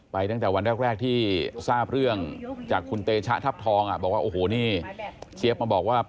ตั้งแต่วันแรกที่ทราบเรื่องจากคุณเตชะทัพทองอ่ะบอกว่าโอ้โหนี่เจี๊ยบมาบอกว่า